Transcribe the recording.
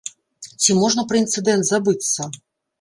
Ці можна пра інцыдэнт забыцца?